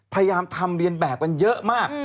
พยายามทำเรียนแบบกันเยอะมาก